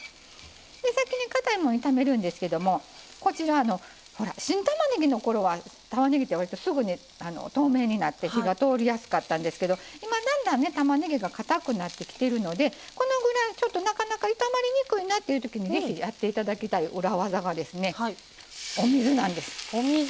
先にかたいもの炒めるんですけどこちら、新たまねぎのころはたまねぎって、わりと、すぐに透明になって火が通りやすかったんですけど今、だんだん、たまねぎがかたくなってきているのでこのぐらい、ちょっとなかなか炒まりにくいなっていうときにぜひやっていただきたい裏技がお水なんです。